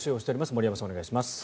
森山さん、お願いします。